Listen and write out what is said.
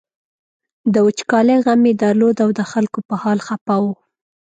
د وچکالۍ غم یې درلود او د خلکو په حال خپه و.